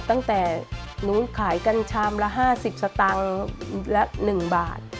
ตั้งแต่หนูขายกันชามละ๕๐สตางค์ละ๑บาท